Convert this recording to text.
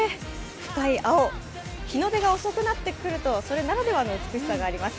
深い青、日の出が遅くなってくるとそれならではの美しさがあります。